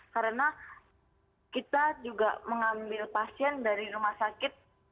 karena kita juga mengambil pasien dari rumah sakit